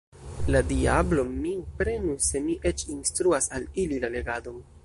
La diablo min prenu se mi eĉ instruas al ili la legadon!